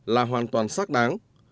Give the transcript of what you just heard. là hoàn toàn xác đáng